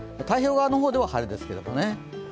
太平洋側の方では晴れですけれどもね。